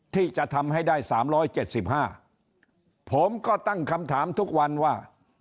ที่จะทำให้ได้สามร้อยเจ็ดสิบห้าผมก็ตั้งคำถามทุกวันว่า